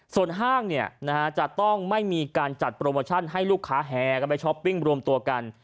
ส่วนห้างจะต้องไม่มีการจัดโปรโมชั่นให้ลูกค้าแห่กันไปช้อปปิ้งรวมตัวกัน